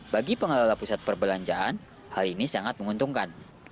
bagi pengelola pusat perbelanjaan hal ini sangat menguntungkan